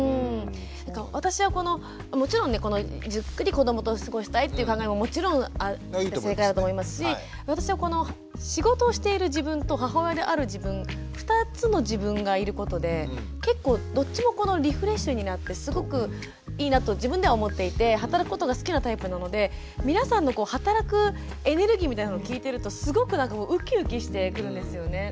私はこのもちろんねじっくり子どもと過ごしたいっていう考えももちろん正解だと思いますし私はこの仕事をしている自分と母親である自分２つの自分がいることで結構どっちもリフレッシュになってすごくいいなと自分では思っていて働くことが好きなタイプなので皆さんの働くエネルギーみたいなの聞いてるとすごくウキウキしてくるんですよね。